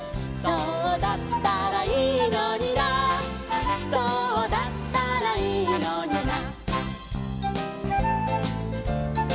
「そうだったらいいのになそうだったらいいのにな」